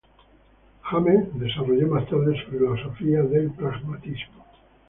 James desarrolló más tarde su filosofía del pragmatismo.